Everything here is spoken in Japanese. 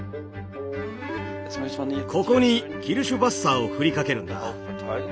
ここにキルシュヴァッサーを振りかけるんだ。